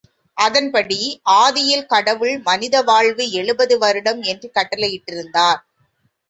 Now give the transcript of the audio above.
அதன்படி, ஆதியில் கடவுள் மனித வாழ்வு எழுபது வருடம் என்று கட்டளையிட்டிருந்தார்.